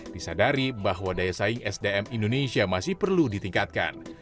disadari bahwa daya saing sdm indonesia masih perlu ditingkatkan